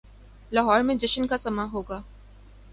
لاہور میں جشن کا سماں ہو گا۔